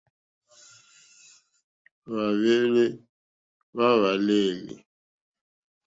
Hwáhwɛ̂hwɛ́ hwàlêlì.